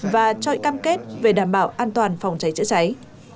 và cho cam kết về đảm bảo an toàn phòng cháy chữa cháy